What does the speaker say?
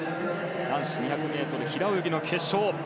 男子２００ｍ平泳ぎの決勝。